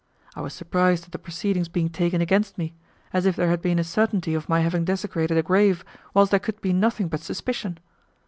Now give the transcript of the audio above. I was surprised at the proceedings being taken against me, as if there had been a certainty of my having desecrated a grave, whilst there could be nothing but suspicion.